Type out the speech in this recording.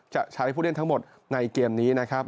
จะใช้ผู้เล่นทั้งหมดในเกมนี้นะครับ